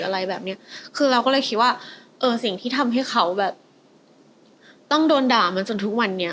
แต่เราก็เลยคิดว่าจากสิ่งที่ทำให้เค้าต้องโดนด่ามันจนทุกวันนี้